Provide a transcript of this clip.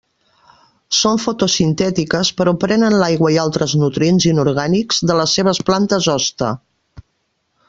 Són fotosintètiques però prenen l'aigua i altres nutrients inorgànics de les seves plantes hoste.